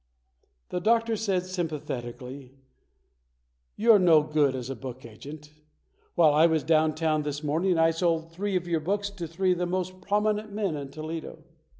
The doctor said sympathetically, "You're no good as a book agent. While I was down town this morning I sold three of your books to three of the most prominent men in Toledo".